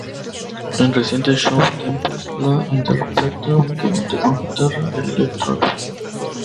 En recientes shows, Tempest la interpreta únicamente con una guitarra electro-acústica.